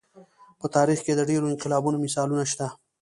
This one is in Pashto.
په تاریخ کې د ډېرو انقلابونو مثالونه شته.